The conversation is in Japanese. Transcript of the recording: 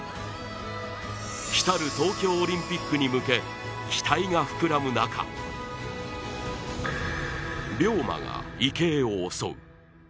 来る東京オリンピックに向け期待が膨らむ中病魔が池江を襲う。